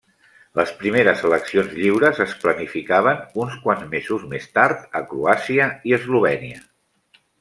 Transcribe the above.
Les primeres eleccions lliures es planificaven uns quants mesos més tard a Croàcia i Eslovènia.